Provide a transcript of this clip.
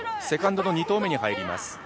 セカンドの２投目に入ります。